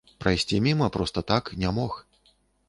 Прайсці міма, проста так, не мог!